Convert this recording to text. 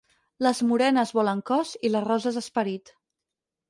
Les morenes volen cos i les rosses esperit.